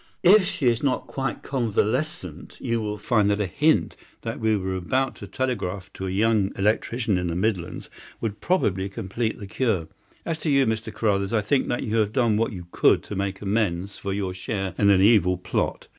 If she is not quite convalescent you will find that a hint that we were about to telegraph to a young electrician in the Midlands would probably complete the cure. As to you, Mr. Carruthers, I think that you have done what you could to make amends for your share in an evil plot.